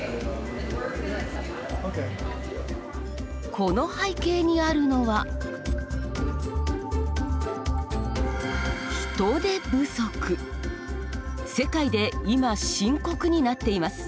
この背景にあるのは世界でいま深刻になっています。